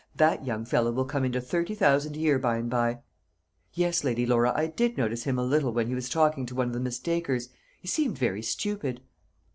That young fellow will come into thirty thousand a year by and by." "Yes, Lady Laura, I did notice him a little when he was talking to one of the Miss Dacres. He seemed very stupid."